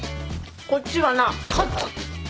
こっちはなカツ。